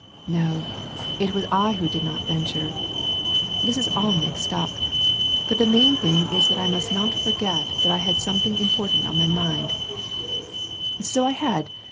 No, it was 1 who did not venture ! This is all mixed up ! but the m^ thing is that I must not forget that I had something important on my mind; so I had!